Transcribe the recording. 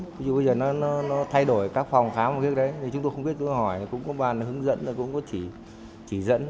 ví dụ bây giờ nó thay đổi các phòng khám chúng tôi không biết hỏi cũng có bàn hướng dẫn cũng có chỉ dẫn